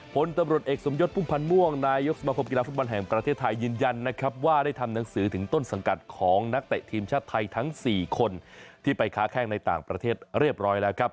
ผลตำรวจเอกสมยศพุ่มพันธ์ม่วงนายกสมคมกีฬาฟุตบอลแห่งประเทศไทยยืนยันนะครับว่าได้ทำหนังสือถึงต้นสังกัดของนักเตะทีมชาติไทยทั้ง๔คนที่ไปค้าแข้งในต่างประเทศเรียบร้อยแล้วครับ